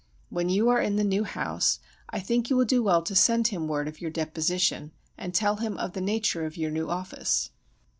When you are in the new house I think you will do well to send him word of your deposition and tell him of the nature of your new office.